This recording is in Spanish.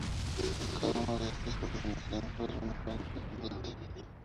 Cada uno de estos, por definición, fue único e independiente.